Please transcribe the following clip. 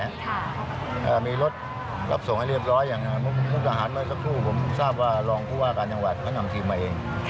อ่ามีรถรับส่งให้เรียบร้อยอย่างมุกดาหารเมื่อสักครู่ผมทราบว่ารองผู้ว่าการจังหวัดเขานำทีมมาเอง